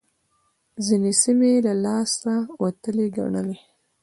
ځينې سيمې يې له لاسه وتلې ګڼلې.